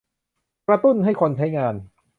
กระตุ้นให้คนใช้งาน